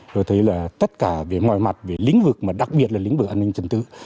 rồi thấy là tất cả về mọi mặt về lĩnh vực mà đặc biệt là lĩnh vực an ninh trật tự